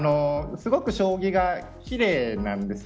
すごく、将棋が奇麗なんですよ。